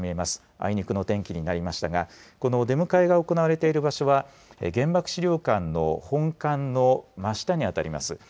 あいにくの天気になりましたが、この出迎えが行われている場所は、原爆資料館の本館の真下にあたります。